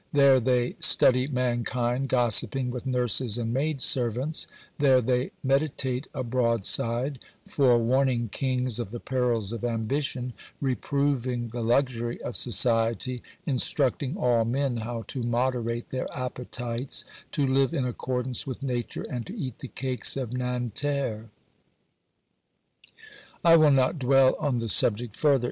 There they study mankind, gossiping with nurses and maid servants ; there they meditate a broadside, forewarning kings of the perils of ambition, reproving the luxury of society, instructing all men how to moderate their appetites, to live in accordance with nature and to eat the cakes of Nanterre. I will not dwell on the subject further.